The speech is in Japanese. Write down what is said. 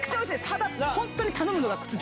ただ本当に頼むのが屈辱。